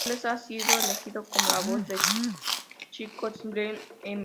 Charles ha sido elegido como la voz del chico Sherman en "Mr.